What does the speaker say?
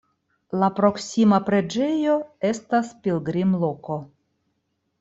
La proksima preĝejo estas pilgrimloko.